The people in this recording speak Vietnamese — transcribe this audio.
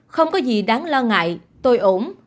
không có gì đáng lo ngại tôi ổn